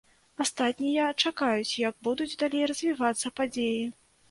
Астатнія чакаюць, як будуць далей развівацца падзеі.